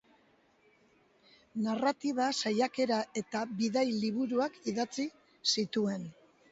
Narratiba, saiakera eta bidaia-liburuak idatzi zituen.